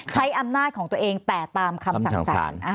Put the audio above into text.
ใช้อำนาจของตัวเองแต่ตามคำสั่งสาร